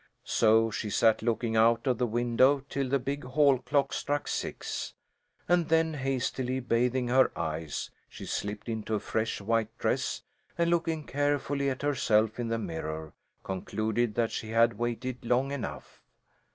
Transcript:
So she sat looking out of the window till the big hall clock struck six, and then hastily bathing her eyes, she slipped into a fresh white dress, and looking carefully at herself in the mirror, concluded that she had waited long enough.